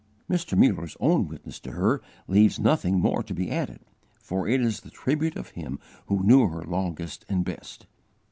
Mr. Muller's own witness to her leaves nothing more to be added, for it is the tribute of him who knew her longest and best.